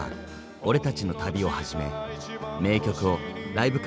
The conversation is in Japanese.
「俺たちの旅」をはじめ名曲をライブ感